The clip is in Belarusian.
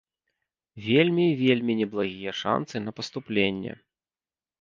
Вельмі і вельмі неблагія шанцы на паступленне.